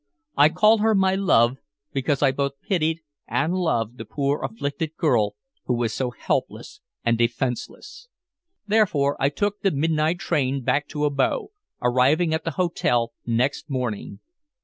I call her my love because I both pitied and loved the poor afflicted girl who was so helpless and defenseless. Therefore I took the midnight train back to Abo, arriving at the hotel next morning.